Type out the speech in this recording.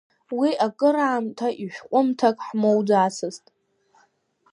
Уи акыраамҭа ишәҟәымҭак ҳмоуӡацызт.